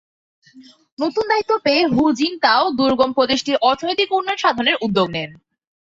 নতুন দায়িত্ব পেয়ে হু জিনতাও দুর্গম প্রদেশটির অর্থনৈতিক উন্নয়ন সাধনের উদ্যোগ নেন।